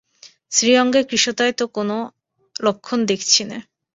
শ্রীঅঙ্গে কৃশতায় তো কোনো লক্ষণ দেখছি নে।